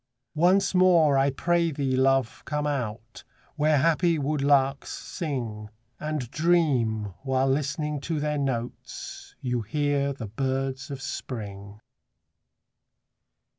Once more, I pray thee, love, come out, Where happy woodlarks sing, And dream, while listening to their notes, You hear the birds of Spring.